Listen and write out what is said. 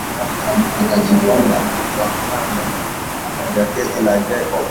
Akajifunga kwa Kamba na jaketi la Jacob